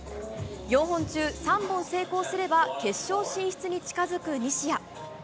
４本中３本成功すれば決勝進出に近づく西矢。